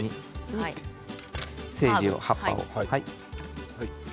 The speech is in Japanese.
セージの葉っぱを。